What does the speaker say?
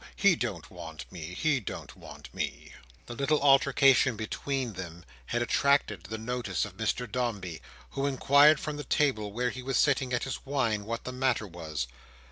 He don't want me. He don't want me!" The little altercation between them had attracted the notice of Mr Dombey, who inquired from the table where he was sitting at his wine, what the matter was.